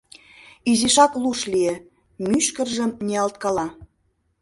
— Изишак луш лие, — мӱшкыржым ниялткала.